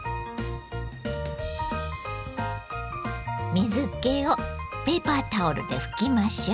水けをペーパータオルで拭きましょう。